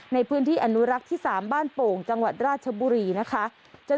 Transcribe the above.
ในพื้นที่อนุรักษ์ที่๓บ้านโป่งจังหวัดราชบุรีนะคะ